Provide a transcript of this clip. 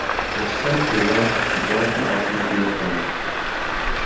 Was sent to work at the Gorky Automobile Plant.